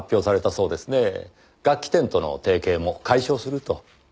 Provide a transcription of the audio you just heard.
楽器店との提携も解消すると。